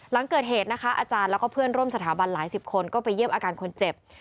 หลังเกิดเหตุนะคะอาจารย์แล้วก็เพื่อนร่วมสถาบันหลายสิบคนก็ไปเยี่ยมอาการคนเจ็บ